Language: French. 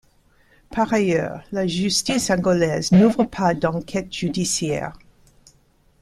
Par ailleurs, la justice angolaise n'ouvre pas d'enquête judiciaire.